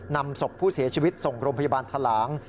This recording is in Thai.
นำศพผู้เสียชีวิตส่งโรงพยาบาลทะลาง